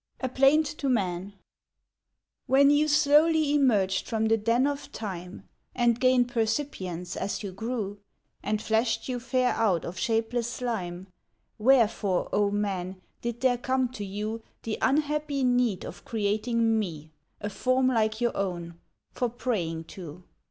A PLAINT TO MAN WHEN you slowly emerged from the den of Time, And gained percipience as you grew, And fleshed you fair out of shapeless slime, Wherefore, O Man, did there come to you The unhappy need of creating me— A form like your own—for praying to?